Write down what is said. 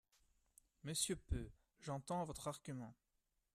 Monsieur Peu, j’entends votre argument.